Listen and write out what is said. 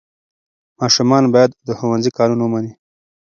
ماشومان باید د ښوونځي قانون ومني.